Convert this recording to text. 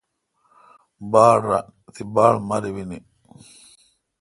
باڑ ران۔ تی باڑمربینی۔